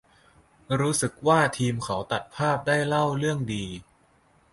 รู้สึกว่า ทีมเขาตัดภาพได้เล่าเรื่องดี